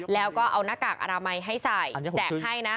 แล้วก็เอาหน้ากากอนามัยให้ใส่แจกให้นะ